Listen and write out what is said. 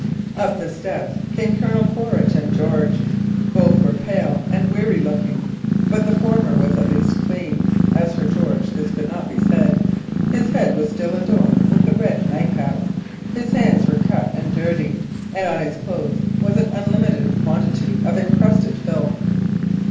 Up the steps came Colonel Quaritch and George. Both were pale and weary looking, but the former was at least clean. As for George, this could not be said. His head was still adorned with the red nightcap, his hands were cut and dirty, and on his clothes was an unlimited quantity of encrusted filth.